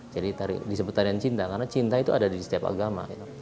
jadi disebut tarian cinta karena cinta itu ada di setiap agama